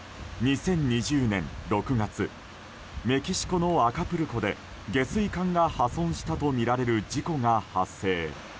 ２０２０年６月メキシコのアカプルコで下水管が破損したとみられる事故が発生。